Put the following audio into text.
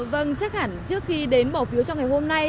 vâng chắc hẳn trước khi đến bầu phiếu trong ngày hôm nay